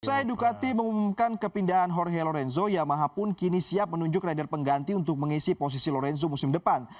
usai ducati mengumumkan kepindahan jorge lorenzo yamaha pun kini siap menunjuk rider pengganti untuk mengisi posisi lorenzo musim depan